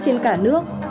trên cả nước